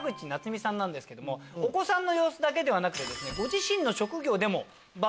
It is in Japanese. お子さんの様子だけではなく。